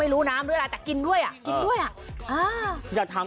อะไรอ่ะ